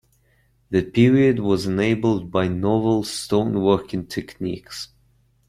The period was enabled by novel stone working techniques.